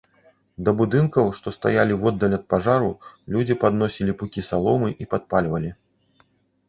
Да будынкаў, што стаялі воддаль ад пажару, людзі падносілі пукі саломы і падпальвалі.